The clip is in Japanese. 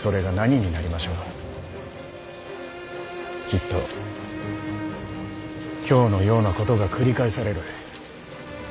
きっと今日のようなことが繰り返される。